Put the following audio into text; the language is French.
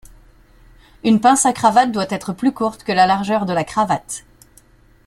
Une pince à cravate doit être plus courte que la largeur de la cravate.